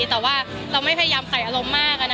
แต่ว่าเราไม่พยายามใส่อารมณ์มาก